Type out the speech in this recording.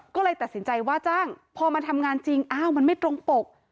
ก็เลยตัดสินใจว่าจ้างพอมาทำงานจริงอ้าวมันไม่ตรงปก